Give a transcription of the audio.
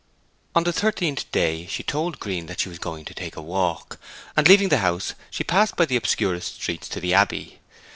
On the thirteenth day she told Green that she was going to take a walk, and leaving the house she passed by the obscurest streets to the Abbey.